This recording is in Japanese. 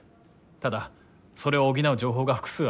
ただそれを補う情報が複数ある。